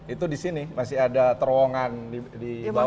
itu di sini masih ada terowongan di bawah